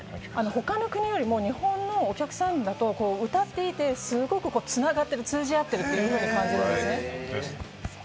他の国よりも日本のお客さんだと歌っていて、すごく通じ合ってるというふうに感じるんです。